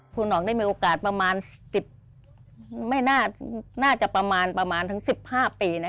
คุณน้องได้มีโอกาสประมาณสิบไม่น่าน่าจะประมาณประมาณถึงสิบห้าปีนะ